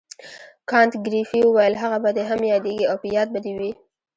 کانت ګریفي وویل هغه به دې هم یادیږي او په یاد به دې وي.